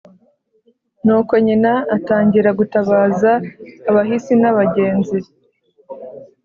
nuko nyina atangira gutabaza abahisi n'abagenzi